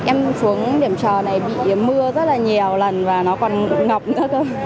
em xuống điểm trờ này bị mưa rất là nhiều lần và nó còn ngọc rất là nhiều